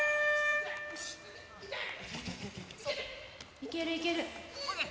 いける、いける。